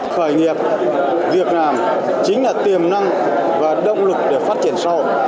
khởi nghiệp việc làm chính là tiềm năng và động lực để phát triển sâu